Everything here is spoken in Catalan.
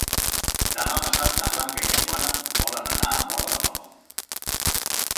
Demà passat na Blanca i na Joana volen anar a Móra la Nova.